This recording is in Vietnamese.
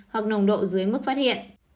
hoặc nồng độ dưới mức phát hiện